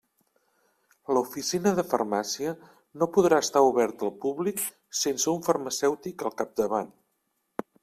L'oficina de farmàcia no podrà estar oberta al públic sense un farmacèutic al capdavant.